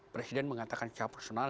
presiden mengatakan secara personal